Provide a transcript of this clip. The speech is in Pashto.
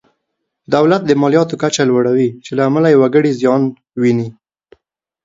دولت د مالیاتو کچه لوړوي چې له امله یې وګړي زیان ویني.